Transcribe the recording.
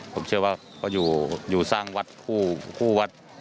ผมเชื่อว่าเขาอยู่สร้างวัดคู่วัด